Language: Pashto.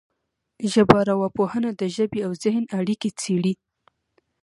ژبارواپوهنه د ژبې او ذهن اړیکې څېړي